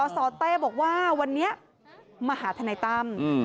สเต้บอกว่าวันนี้มาหาทนายตั้ม